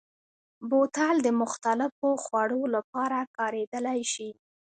بوتل د مختلفو خوړو لپاره کارېدلی شي.